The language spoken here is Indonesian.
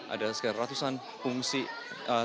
ada sekitar ratusan pengusian